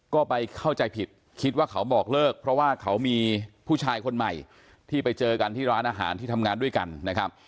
ก็ไปเข้าใจผิดคิดว่าเขาบอกเลิกเพราะว่าเขามีผู้ชายคนใหม่ที่ไปเจอกันที่ร้านอาหารที่ทำงานด้วยกันนะครับ